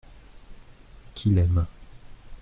Qu’il aime.